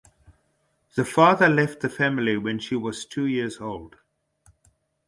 The father left the family when she was two years old.